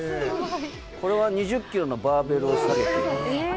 これは２０キロのバーベルを下げています。